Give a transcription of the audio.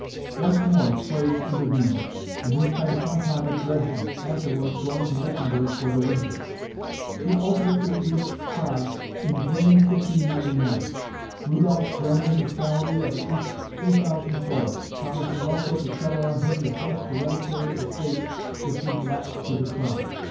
Once more plague intervened and he spent some time at Dresden, afterwards going to Wittenberg for the winter. He ultimately reached Prague in June, 1599. Rudolph granted him a salary of at least 3000 florins, promising also to settle on him the first hereditary estate that should lapse to the Crown.